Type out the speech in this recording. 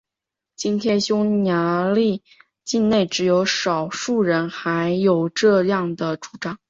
今天匈牙利境内只有少数人还有这样的主张。